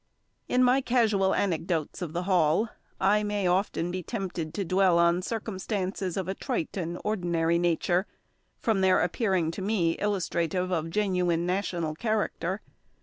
In my casual anecdotes of the Hall, I may often be tempted to dwell on circumstances of a trite and ordinary nature, from their appearing to me illustrative of genuine national character.